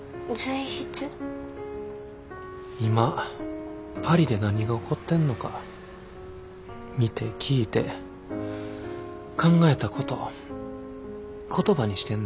今パリで何が起こってんのか見て聞いて考えたこと言葉にしてんねん。